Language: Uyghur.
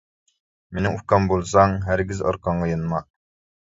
مېنىڭ ئۇكام بولساڭ، ھەرگىز ئارقاڭغا يانما!